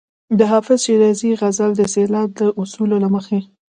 د حافظ شیرازي غزل د سېلاب د اصولو له مخې.